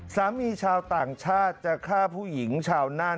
ชาวต่างชาติจะฆ่าผู้หญิงชาวน่าน